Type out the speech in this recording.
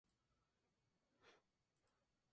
La fiesta dura dos días.